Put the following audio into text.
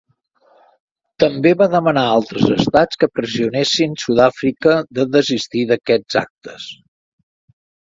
També va demanar a altres estats que pressionessin Sud-àfrica de desistir d'aquests actes.